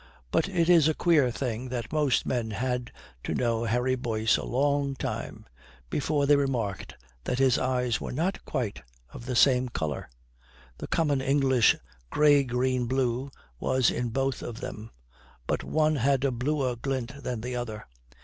But it is a queer thing that most men had to know Harry Boyce a long time before they remarked that his eyes were not quite of the same colour. The common English grey green blue was in both of them, but one had a bluer glint than the other.